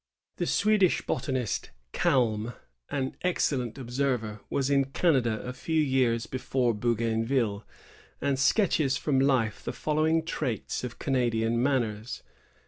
"^ The Swedish botanist, Kalm, an excellent observer, was in Canada a few years before Bougainville, and sketches from life the following traits of Canadian manners.